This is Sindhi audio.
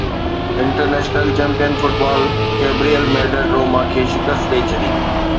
انٽرنيشنل چيمپيئن فٽبال ڪيپريئل ميڊرڊ روما کي شڪست ڏئي ڇڏي